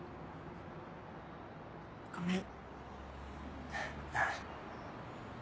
ごめん。